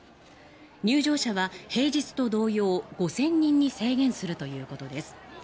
入場者は平日と同様５０００人に制限するということです。